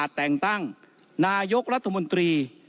แต่งตั้งนายกรัฐมนตรี